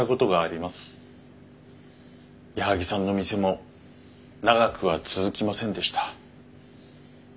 矢作さんの店も長くは続きませんでした。